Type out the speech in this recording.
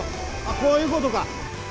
こういうことか。